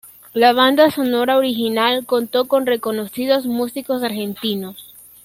La banda sonora original contó con reconocidos músicos argentinos.